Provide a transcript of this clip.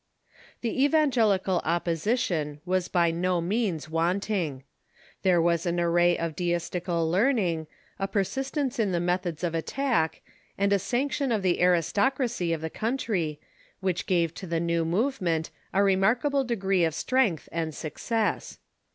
The evangelical opposition was by no means wanting. There was an array of Deistical learning, a persistence in the methods of attack, and a sanction of the aristocracy of the * Write^s"^ country, which gave to the new movement a remark able degree of strength and success.